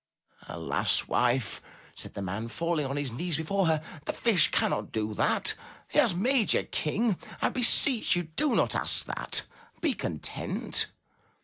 "Alas! wife," said the man, falling on his knees before her, "the Fish cannot do that. He has made you King. I beseech you do not ask that! Be content."